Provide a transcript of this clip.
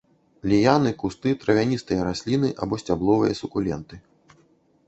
Ліяны, кусты, травяністыя расліны або сцябловыя сукуленты.